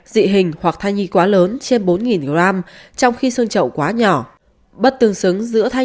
dị hình hoặc thai nhi quá lớn trên bốn g trong khi sương trậu quá nhỏ bất tương xứng giữa thai